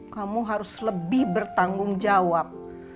kamu harus lebih bertanggung jawab